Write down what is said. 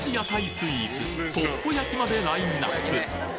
スイーツポッポ焼きまでラインナップ！